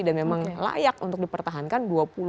dan memang layak untuk dipertahankan